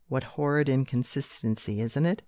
What horrid inconsistency, isn't it?